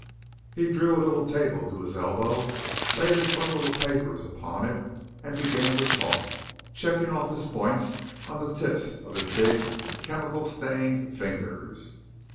He drew a little table to his elbow, laid his bundle of papers upon it, and began to talk, checking off his points on the tips of his big, chemical stained fingers.